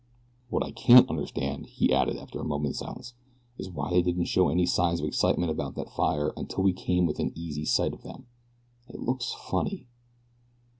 "What I can't understand," he added after a moment's silence, "is why they didn't show any signs of excitement about that fire until we came within easy sight of them it looks funny."